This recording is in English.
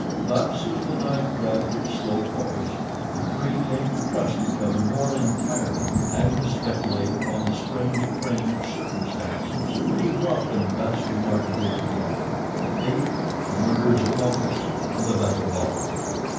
Thus, as the night dragged its slow course, the three came to trust each other more entirely and to speculate upon the strange train of circumstances which had brought them thus remarkably together the thief, the murderer's accomplice, and the vagabond.